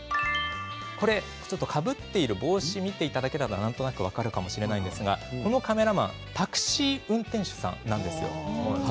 かぶっている帽子を見ていただくとなんとなく分かるかもしれませんがこのカメラマンはタクシー運転手さんなんです。